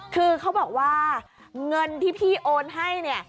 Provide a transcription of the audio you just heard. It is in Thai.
คือเขาบอกว่าเงินที่พี่โอนให้เนี่ย